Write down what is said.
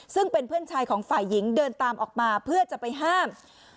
ซึ่งเป็นเพื่อนชายของฝ่ายหญิงเดินตามออกมาเพื่อจะไปห้าม